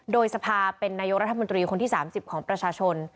โดยสภาเป็นนายกรัฐมนตรีคนที่๓๐ของประชาชน